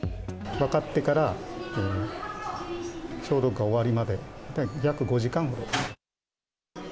分かってから消毒が終わるまで、約５時間ほど。